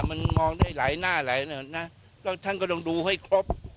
มันมองได้หลายหน้าหลายนะแล้วท่านก็ต้องดูให้ครบ